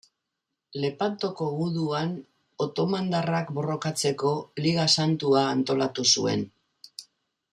Lepantoko guduan otomandarrak borrokatzeko Liga Santua antolatu zuen.